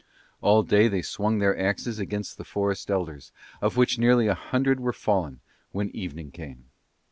All day they swung their axes against the forest's elders, of which nearly a hundred were fallen when evening came.